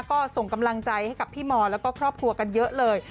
ก็ส่งกำลังใจให้กับพี่มอแล้วก็ครอบครัวกันเยอะเลย